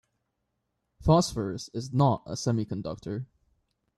Phosphorus is not a semiconductor.